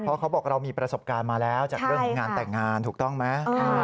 เพราะเขาบอกเรามีประสบการณ์มาแล้วจากเรื่องของงานแต่งงานถูกต้องไหม